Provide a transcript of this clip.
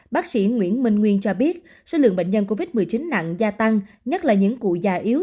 bác sĩ nguyễn minh nguyên cho biết số lượng bệnh nhân covid một mươi chín nặng gia tăng nhất là những cụ già yếu